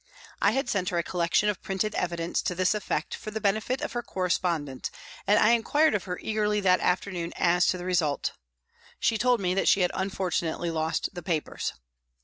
I had sent her a collection of printed evidence to this effect for the benefit of her corre spondent and I inquired of her eagerly that afternoon as to the result. She told me that she had un fortunately lost the papers.